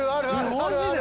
マジで！？